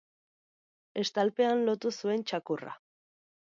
Estalpean lotu zuen txakurra.